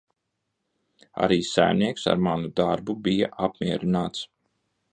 Arī saimnieks ar manu darbu bija apmierināts.